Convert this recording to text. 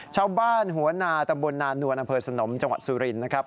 ชาวบ้านหัวหนาตะบลนานวนอสนมจสุรินทร์นะครับ